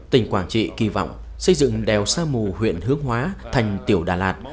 tỉnh quảng trị kỳ vọng xây dựng đèo sa mù huyện hướng hóa thành tiểu đà lạt